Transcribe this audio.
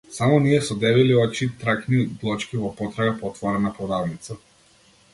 Само ние со дебели очи и траќни глочки во потрага по отворена продавница.